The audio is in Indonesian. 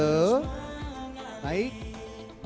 mohon izin tentunya